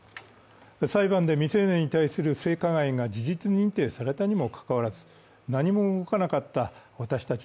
裁判で未成年に対する性加害が事実認定されたにもかかわらず何も動かなかった私たち